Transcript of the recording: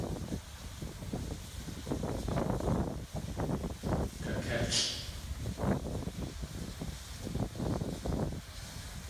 Kakélʼ!